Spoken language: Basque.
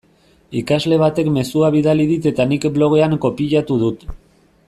Ikasle batek mezua bidali dit eta nik blogean kopiatu dut.